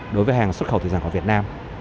đối với hàng xuất khẩu thủy sản của việt nam